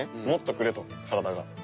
もっとくれと体が。